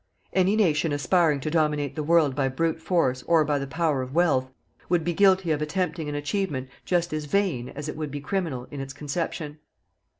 Any nation aspiring to dominate the world by brute force or by the power of wealth, would be guilty of attempting an achievement just as vain as it would be criminal in its conception.